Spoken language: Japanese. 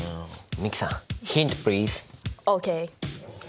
美樹さんヒントプリーズ！ＯＫ。